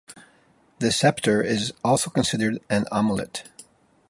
The sceptre is also considered an amulet.